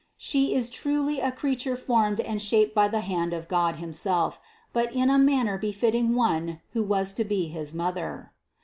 She is truly a creature formed and shaped by the hand of God himself, but in a manner befitting one who was to be his Mother.